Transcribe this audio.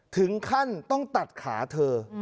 ถึงขั้นต้องตัดขาเธอ